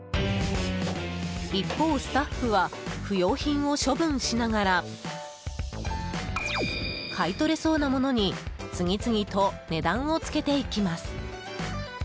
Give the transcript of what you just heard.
一方、スタッフは不用品を処分しながら買い取れそうなものに次々と値段をつけていきます。